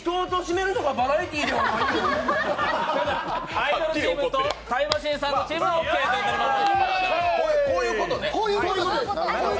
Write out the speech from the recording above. アイドルチームとタイムマシーンさんのチームもオーケーです。